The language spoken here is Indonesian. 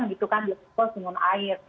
itu kan diusul usul dengan air